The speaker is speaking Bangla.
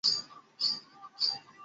সে কি তোমাকে দেখছে?